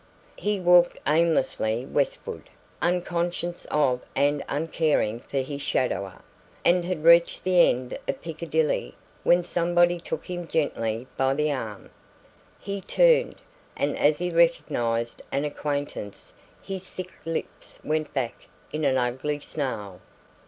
He walked aimlessly westward, unconscious of and uncaring for his shadower, and had reached the end of Piccadilly when somebody took him gently by the arm. He turned, and as he recognised an acquaintance, his thick lips went back in an ugly snarl.